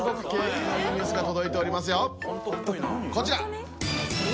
こちら！